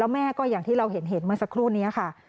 แม่ก็อย่างที่เราเห็นเมื่อสักครู่นี้ค่ะ